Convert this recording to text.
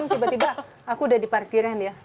tiba tiba aku udah di parkiran ya